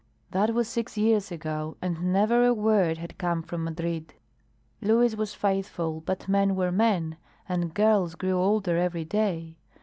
That was six years ago and never a word had come from Madrid. Luis was faithful, but men were men, and girls grew older every day.